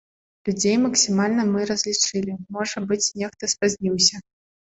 Людзей максімальна мы разлічылі, можа быць, нехта спазніўся.